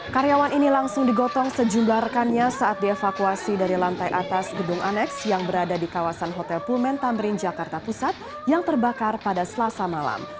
karyawan ini langsung digotong sejumlah rekannya saat dievakuasi dari lantai atas gedung aneks yang berada di kawasan hotel pullmen tamrin jakarta pusat yang terbakar pada selasa malam